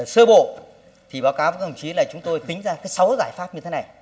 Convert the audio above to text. sơ bộ thì báo cáo với các đồng chí là chúng tôi tính ra sáu giải pháp như thế này